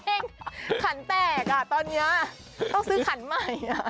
จริงขันแตกอ่ะตอนนี้ต้องซื้อขันใหม่